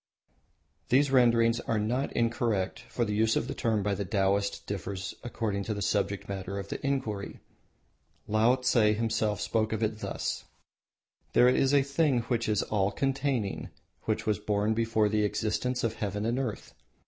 These renderings are not incorrect, for the use of the term by the Taoists differs according to the subject matter of the inquiry. Laotse himself spoke of it thus: "There is a thing which is all containing, which was born before the existence of Heaven and Earth.